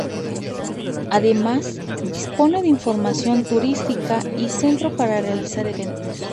Además dispone de información turística y centro para realizar eventos.